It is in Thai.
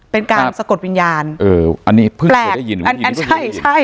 เป็นการสะกดวิญญาณเอออันนี้เพิ่งแปลกได้ยินอันอันใช่ใช่